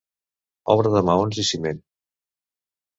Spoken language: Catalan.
Obra de maons i ciment.